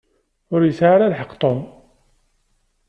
Ur yesɛi ara lḥeqq Tom.